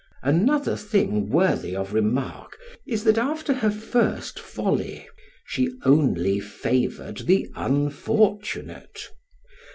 Another thing worthy of remark is, that after her first folly, she only favored the unfortunate.